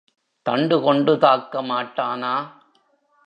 தண்டுகொண்டு தாக்க மாட்டானா?